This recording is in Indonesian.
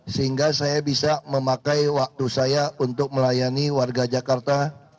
sehingga saya bisa memakai waktu saya untuk melayani warga jakarta